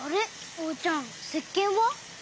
おうちゃんせっけんは？